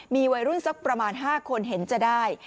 มีวัยรุ่นสักประมาณ๕คนเห็นจะได้